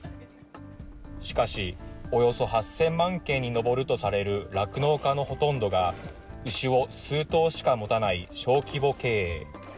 しかし、およそ８０００万軒に上るとされる酪農家のほとんどが、牛を数頭しか持たない小規模経営。